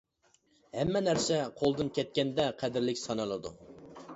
ھەممە نەرسە قولدىن كەتكەندە قەدىرلىك سانىلىدۇ.